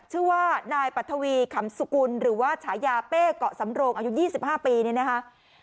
ชื่อว่านายปัทวีขำสุกุลหรือว่าฉายาเป้เกาะสำโรงอายุ๒๕ปีเนี่ยนะคะ